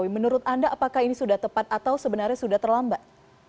menurut anda apakah ini sudah tepat atau sebenarnya sudah terlambat